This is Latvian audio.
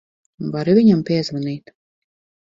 Vari viņam piezvanīt?